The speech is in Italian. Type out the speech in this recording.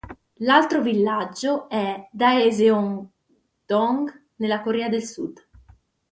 L'altro villaggio è Daeseong-dong, nella Corea del sud.